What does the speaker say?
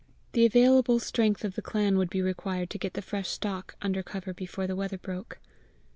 The available strength of the clan would be required to get the fresh stock under cover before the weather broke.